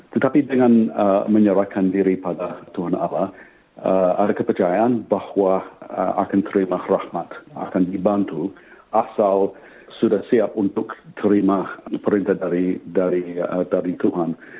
tetapi dengan menyerahkan diri pada tuhan allah ada kepercayaan bahwa akan terima rahmat akan dibantu asal sudah siap untuk terima perintah dari tuhan